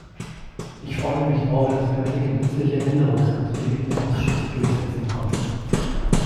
Ich freue mich auch, dass wir einige nützliche Änderungsanträge im Ausschuss durchsetzen konnten.